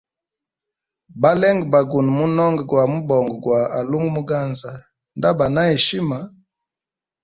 Balenge ba guno munonga gwa mubongo gwa alunga muganza nda ba na heshima.